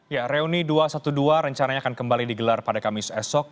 ya reuni dua ratus dua belas rencananya akan kembali digelar pada kamis esok